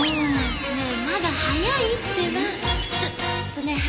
ねえまだ早いってば。